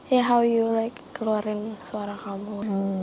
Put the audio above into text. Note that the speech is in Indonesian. ya how you like keluarin suara kamu